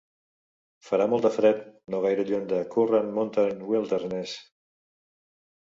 Farà molt de fred no gaire lluny de Currant Mountain Wilderness?